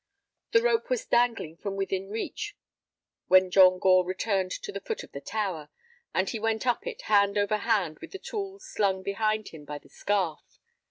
The rope was dangling from within reach when John Gore returned to the foot of the tower, and he went up it hand over hand with the tools slung behind him by the scarf.